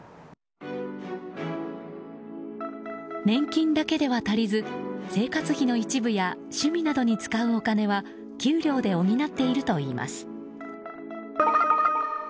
年金だけでは足りず生活費の一部や趣味などに使うお金は給料で補っているといいます。